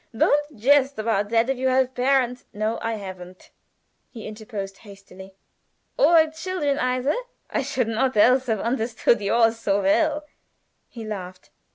"Don't jest about that. If you have parents " "No, I haven't," he interposed, hastily. "Or children either?" "I should not else have understood yours so well," he laughed.